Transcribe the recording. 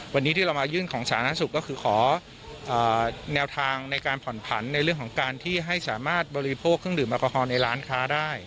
วันนี้ที่เรามายื่นของสาธารณสุขก็คือขอแนวทางในการผ่อนผันในเรื่องของการที่ให้สามารถบริโภคเครื่องดื่มแอลกอฮอลในร้านค้าได้